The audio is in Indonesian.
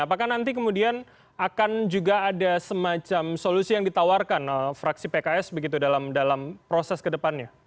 apakah nanti kemudian akan juga ada semacam solusi yang ditawarkan fraksi pks begitu dalam proses kedepannya